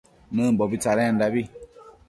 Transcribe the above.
Nëmbobi tsadendabi